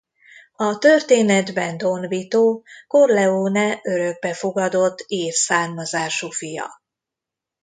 A történetben Don Vito Corleone örökbe fogadott ír származású fia.